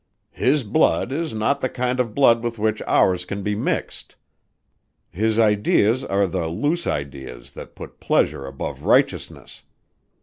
His blood is not the kind of blood with which ours can be mixed: his ideas are the loose ideas that put pleasure above righteousness.